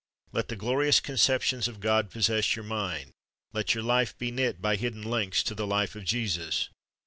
Let the glorious conceptions of God possess your mind. Let your life be knit by hidden links to the life of Jesus.